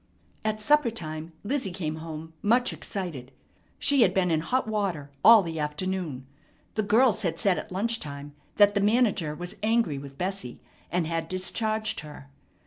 At supper time Lizzie came home much excited. She had been in hot water all the afternoon. The girls had said at lunch time that the manager was angry with Bessie, and had discharged her.